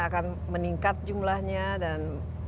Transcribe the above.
akan meningkat jumlahnya dan